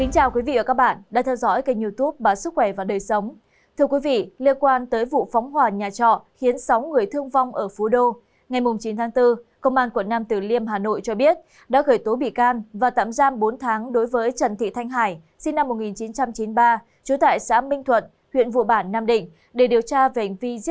các bạn hãy đăng ký kênh để ủng hộ kênh của chúng mình nhé